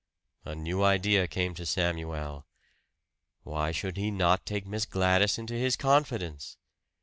A new idea came to Samuel. Why should he not take Miss Gladys into his confidence?